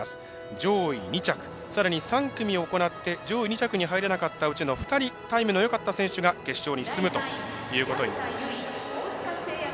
上位２着、さらに３組行って上位２着には入れなかったタイムのよい２人が決勝に進むということになります。